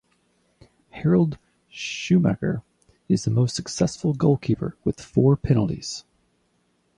Harald Schumacher is the most successful goalkeeper with four penalties.